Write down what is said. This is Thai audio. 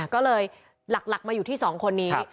ก็เลยหลักมาอยู่ที่๒คนนี้